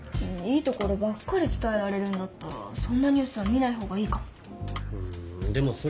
いいところばっかり伝えられるんだったらそんなニュースは見ないほうがいいかも。